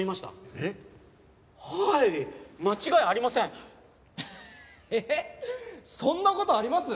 えっそんな事あります？